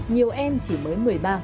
nhiều em chỉ mới một mươi ba một mươi bốn